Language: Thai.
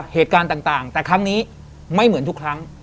เหตุการณ์ต่างแต่ครั้งนี้ไม่เหมือนทุกครั้ง